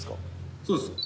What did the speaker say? そうです。